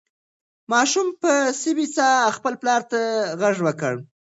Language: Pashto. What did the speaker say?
ماشوم په سوې ساه خپل پلار ته غږ وکړ.